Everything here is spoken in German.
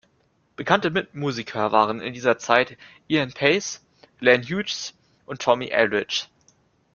Bekannte Mitmusiker waren in dieser Zeit Ian Paice, Glenn Hughes und Tommy Aldridge.